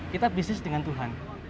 kita bisnis dengan tuhan